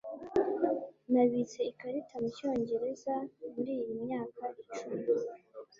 Nabitse ikarita mucyongereza muriyi myaka icumi.